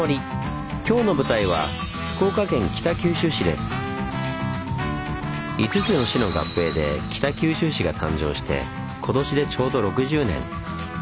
今日の舞台は５つの市の合併で北九州市が誕生して今年でちょうど６０年。